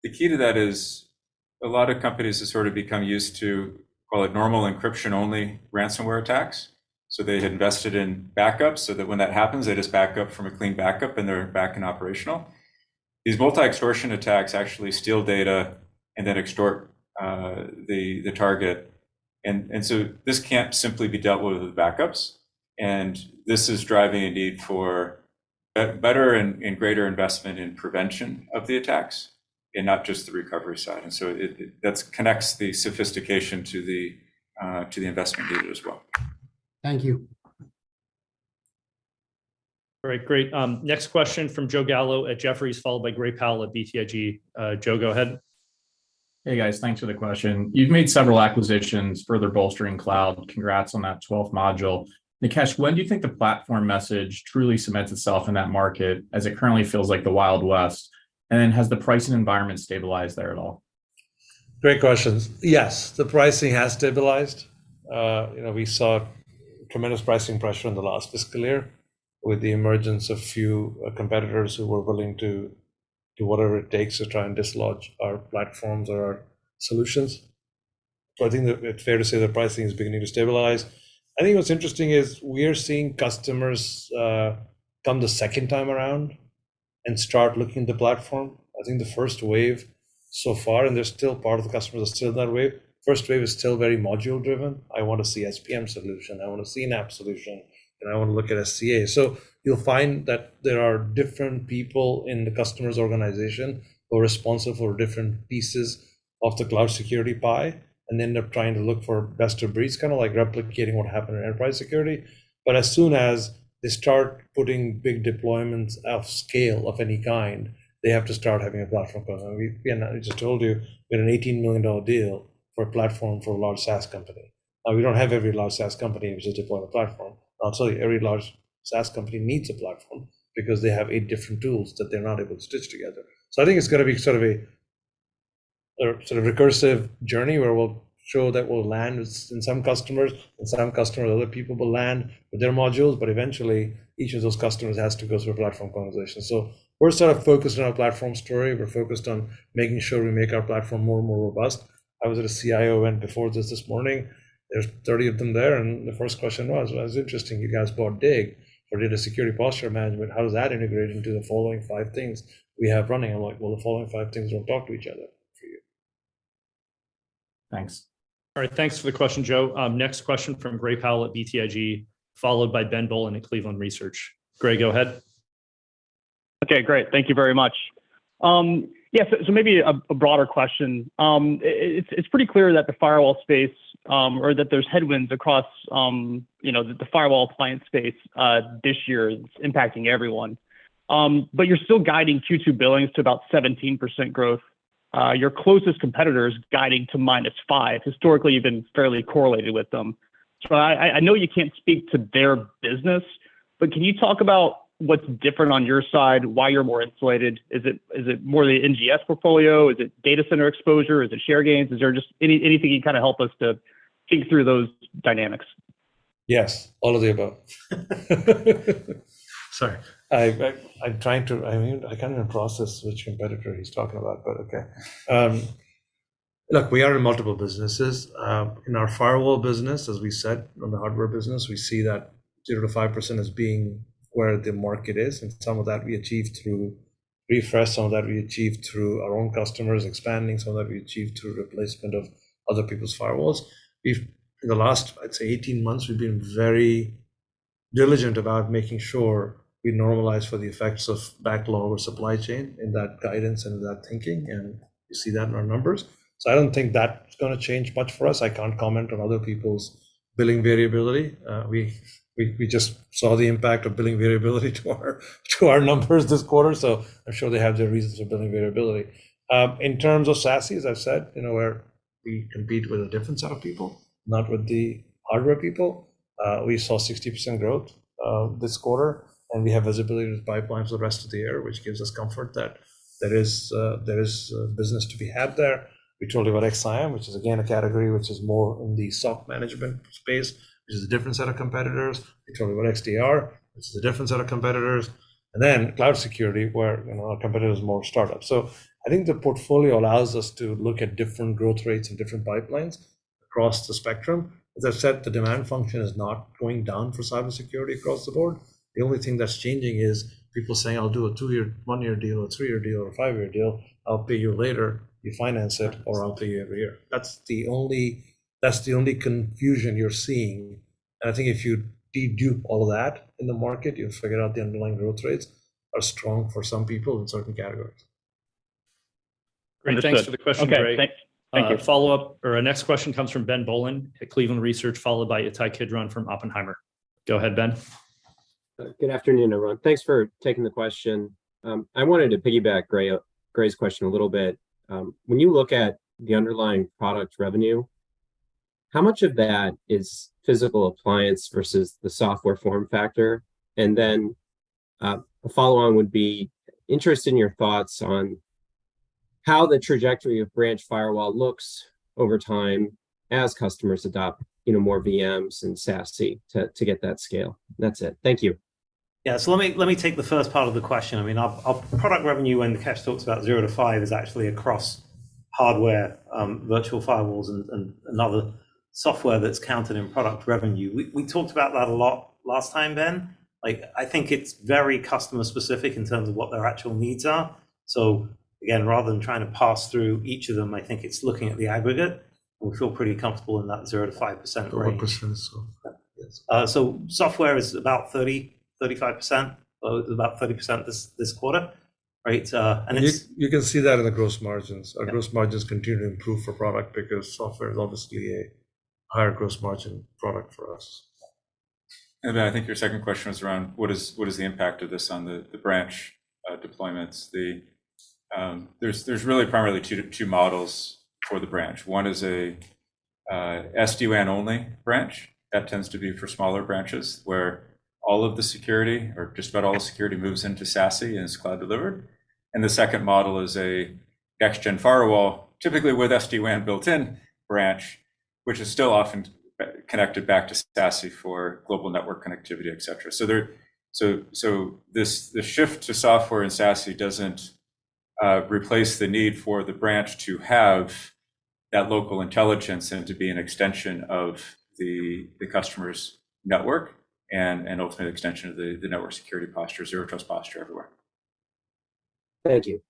The key to that is a lot of companies have sort of become used to, call it, normal encryption-only ransomware attacks. So they had invested in backups so that when that happens, they just back up from a clean backup and they're back and operational. These multi-extortion attacks actually steal data and then extort the target, and so this can't simply be dealt with with backups. And this is driving a need for better and greater investment in prevention of the attacks, and not just the recovery side. And so it-- that connects the sophistication to the investment needed as well. Thank you. All right. Great, next question from Joe Gallo at Jefferies, followed by Gray Powell at BTIG. Joe, go ahead. Hey, guys. Thanks for the question. You've made several acquisitions, further bolstering cloud. Congrats on that twelfth module. Nikesh, when do you think the platform message truly cements itself in that market, as it currently feels like the Wild West? And then, has the pricing environment stabilized there at all? Great questions. Yes, the pricing has stabilized. You know, we saw tremendous pricing pressure in the last fiscal year with the emergence of few competitors who were willing to do whatever it takes to try and dislodge our platforms or our solutions. So I think that it's fair to say that pricing is beginning to stabilize. I think what's interesting is we are seeing customers come the second time around and start looking at the platform. I think the first wave so far, and there's still part of the customers are still in that wave, first wave is still very module driven. I want a CSPM solution, I want a CNAPP solution, and I want to look at SCA." So you'll find that there are different people in the customer's organization who are responsible for different pieces of the cloud security pie, and end up trying to look for best of breed, kind of like replicating what happened in enterprise security. But as soon as they start putting big deployments of scale, of any kind, they have to start having a platform. And we, and I just told you, we had an $18 million deal for a platform for a large SaaS company. Now, we don't have every large SaaS company which is deployed on a platform. I'll tell you, every large SaaS company needs a platform because they have eight different tools that they're not able to stitch together. So I think it's gonna be sort of a, a sort of recursive journey, where we'll show that we'll land in some customers, in some customers, other people will land with their modules, but eventually each of those customers has to go through a platform conversation. So we're sort of focused on our platform story. We're focused on making sure we make our platform more and more robust. I was at a CIO event before this, this morning. There's 30 of them there, and the first question was, "It was interesting you guys bought Dig for data security posture management. How does that integrate into the following five things we have running?" I'm like, "Well, the following five things won't talk to each other for you. Thanks. All right. Thanks for the question, Joe. Next question from Gray Powell at BTIG, followed by Ben Bollin at Cleveland Research. Gray, go ahead. Okay, great. Thank you very much. Yeah, so maybe a broader question. It's pretty clear that the firewall space or that there's headwinds across, you know, the firewall client space, this year is impacting everyone. But you're still guiding Q2 billings to about 17% growth. Your closest competitor is guiding to -5%. Historically, you've been fairly correlated with them. So I know you can't speak to their business, but can you talk about what's different on your side, why you're more insulated? Is it more the NGS portfolio? Is it data center exposure? Is it share gains? Is there just anything you can kind of help us to think through those dynamics? Yes, all of the above. Sorry. I'm trying to... I mean, I can't even process which competitor he's talking about, but okay. Look, we are in multiple businesses. In our firewall business, as we said, on the hardware business, we see that 0%-5% as being where the market is, and some of that we achieved through refresh, some of that we achieved through our own customers expanding, some of that we achieved through replacement of other people's firewalls. We've... In the last, I'd say 18 months, we've been very diligent about making sure we normalize for the effects of backlog or supply chain in that guidance and in that thinking, and you see that in our numbers. So I don't think that's gonna change much for us. I can't comment on other people's billing variability. We just saw the impact of billing variability to our numbers this quarter, so I'm sure they have their reasons for billing variability. In terms of SASE, as I've said, you know, where we compete with a different set of people, not with the hardware people, we saw 60% growth this quarter, and we have visibility into pipelines the rest of the year, which gives us comfort that there is business to be had there. We told you about XSIAM, which is again, a category which is more in the SOC management space, which is a different set of competitors. We told you about XDR, it's a different set of competitors. And then cloud security, where, you know, our competitor is more startup. So I think the portfolio allows us to look at different growth rates and different pipelines across the spectrum. As I said, the demand function is not going down for cybersecurity across the board. The only thing that's changing is people saying, "I'll do a two-year, one-year deal, or a three-year deal, or a five-year deal. I'll pay you later. You finance it, or I'll pay you every year." That's the only, that's the only confusion you're seeing, and I think if you de-dupe all of that in the market, you'll figure out the underlying growth rates are strong for some people in certain categories. Thanks for the question, Gray. Okay, thank you. Follow-up or our next question comes from Ben Bollin at Cleveland Research, followed by Ittai Kidron from Oppenheimer. Go ahead, Ben. Good afternoon, everyone. Thanks for taking the question. I wanted to piggyback Gray's question a little bit. When you look at the underlying product revenue, how much of that is physical appliance versus the software form factor? And then, a follow-on would be interested in your thoughts on how the trajectory of branch firewall looks over time as customers adopt, you know, more VMs and SASE to get that scale. That's it. Thank you. Yeah. So let me, let me take the first part of the question. I mean, our, our product revenue, when Nikesh talks about 0%-5%, is actually across hardware, virtual firewalls and, and another software that's counted in product revenue. We, we talked about that a lot last time, Ben. Like, I think it's very customer specific in terms of what their actual needs are. So again, rather than trying to pass through each of them, I think it's looking at the aggregate, and we feel pretty comfortable in that 0%-5% range. So software is about 30%, 35%, or about 30% this quarter, right? And it's- You can see that in the gross margins. Our gross margins continue to improve for product because software is obviously a higher gross margin product for us. Then I think your second question was around what is the impact of this on the branch deployments? There's really primarily two models for the branch. One is a SD-WAN only branch. That tends to be for smaller branches, where all of the security, or just about all the security, moves into SASE and is cloud delivered. And the second model is a next-gen firewall, typically with SD-WAN built-in branch, which is still often connected back to SASE for global network connectivity, et cetera. So this, the shift to software in SASE doesn't replace the need for the branch to have that local intelligence and to be an extension of the customer's network and ultimate extension of the network security posture, Zero Trust posture everywhere. Thank you.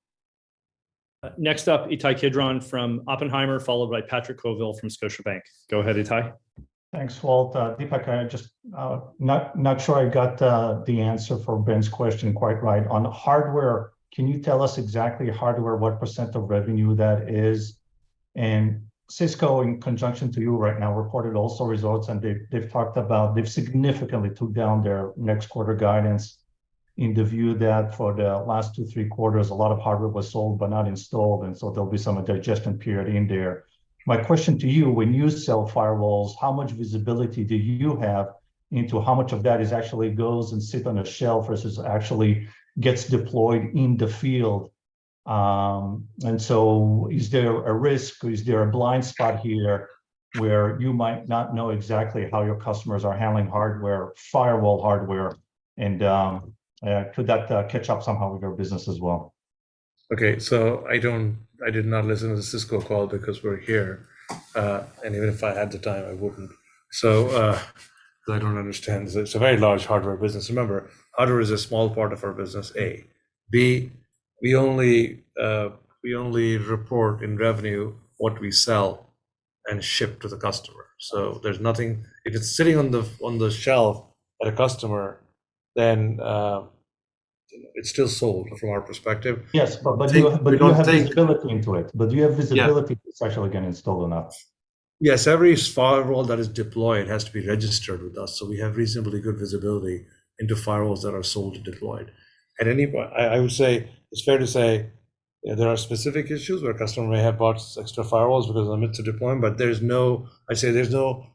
Next up, Ittai Kidron from Oppenheimer, followed by Patrick Colville from Scotiabank. Go ahead, Ittai. Thanks, Walt. Dipak, I just, not, not sure I got the answer for Ben's question quite right. On hardware, can you tell us exactly hardware, what % of revenue that is? And Cisco, in conjunction to you right now, reported also results, and they've, they've talked about they've significantly took down their next quarter guidance in the view that for the last two, three quarters, a lot of hardware was sold but not installed, and so there'll be some digestion period in there. My question to you, when you sell firewalls, how much visibility do you have into how much of that is actually goes and sit on a shelf versus actually gets deployed in the field? So, is there a risk, or is there a blind spot here where you might not know exactly how your customers are handling hardware, firewall hardware, and could that catch up somehow with your business as well? Okay, so I don't... I did not listen to the Cisco call because we're here. And even if I had the time, I wouldn't. So, I don't understand. It's a very large hardware business. Remember, hardware is a small part of our business, A. B, we only, we only report in revenue what we sell and ship to the customer. So there's nothing. If it's sitting on the, on the shelf at a customer, then, it's still sold from our perspective. Yes, but you into it. But you have visibility Yes, every firewall that is deployed has to be registered with us, so we have reasonably good visibility into firewalls that are sold and deployed. At any point, I would say, it's fair to say there are specific issues where a customer may have bought extra firewalls because they want me to deploy them, but there's no, I say there's no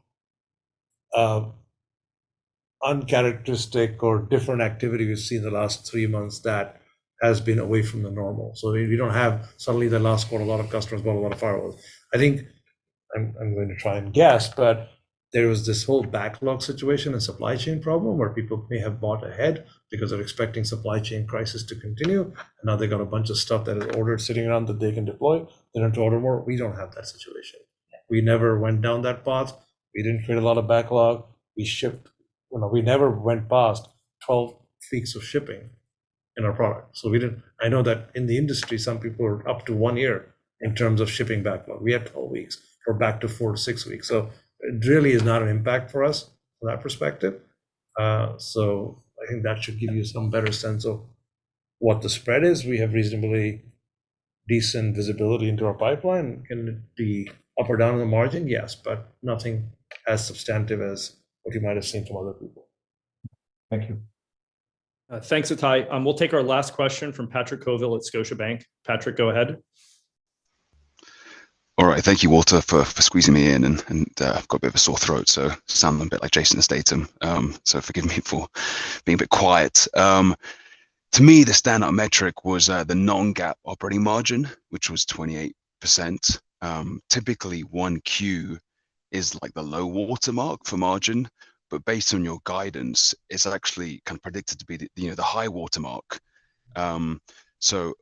uncharacteristic or different activity we've seen in the last three months that has been away from the normal. So we don't have suddenly the last quarter, a lot of customers bought a lot of firewalls. I think I'm going to try and guess, but there was this whole backlog situation and supply chain problem where people may have bought ahead because of expecting supply chain crisis to continue, and now they got a bunch of stuff that is ordered, sitting around that they can deploy. They don't have to order more. We don't have that situation. We never went down that path. We didn't create a lot of backlog. We shipped... You know, we never went past 12 weeks of shipping in our product, so we didn't... I know that in the industry, some people are up to one year in terms of shipping backlog. We had 12 weeks. We're back to four-six weeks. So it really is not an impact for us from that perspective. So I think that should give you some better sense of what the spread is. We have reasonably decent visibility into our pipeline. Can it be up or down on the margin? Yes, but nothing as substantive as what you might have seen from other people. Thank you. Thanks, Ittai. We'll take our last question from Patrick Colville at Scotiabank. Patrick, go ahead. All right. Thank you, Walter, for squeezing me in. I've got a bit of a sore throat, so sound a bit like Jason Statham. So forgive me for being a bit quiet. To me, the standout metric was the non-GAAP operating margin, which was 28%. Typically, 1Q is like the low water mark for margin, but based on your guidance, it's actually kind of predicted to be the, you know, the high water mark. So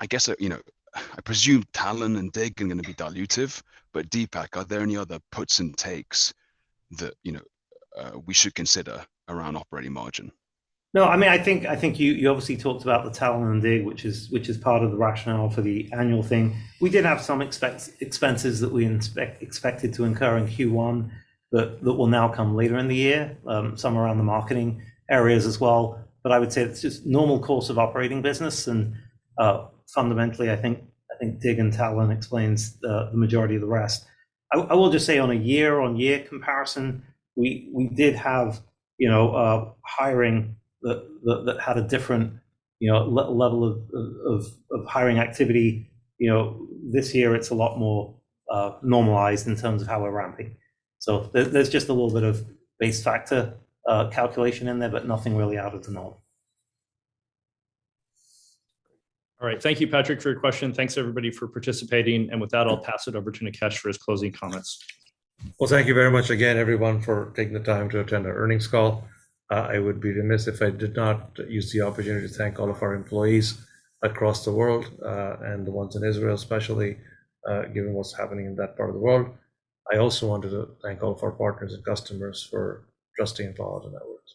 I guess, you know, I presume Talon and Dig are gonna be dilutive, but Dipak, are there any other puts and takes that, you know, we should consider around operating margin? No, I mean, I think, I think you obviously talked about the Talon and Dig, which is part of the rationale for the annual thing. We did have some expenses that we expected to incur in Q1, but that will now come later in the year, some around the marketing areas as well. But I would say it's just normal course of operating business, and fundamentally, I think Dig and Talon explains the majority of the rest. I will just say on a year-on-year comparison, we did have, you know, hiring that had a different, you know, level of hiring activity. You know, this year it's a lot more normalized in terms of how we're ramping. There, there's just a little bit of base factor calculation in there, but nothing really out of the norm. All right. Thank you, Patrick, for your question. Thanks, everybody, for participating. And with that, I'll pass it over to Nikesh for his closing comments. Well, thank you very much again, everyone, for taking the time to attend our earnings call. I would be remiss if I did not use the opportunity to thank all of our employees across the world, and the ones in Israel, especially, given what's happening in that part of the world. I also wanted to thank all of our partners and customers for trusting Palo Alto Networks.